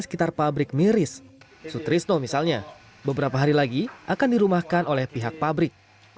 sekitar pabrik miris sutrisno misalnya beberapa hari lagi akan dirumahkan oleh pihak pabrik